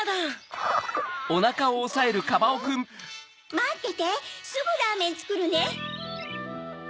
まっててすぐラーメンつくるネ。